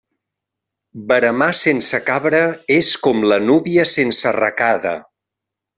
Veremar sense cabra és com la núvia sense arracada.